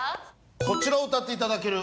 こちらを歌っていただける。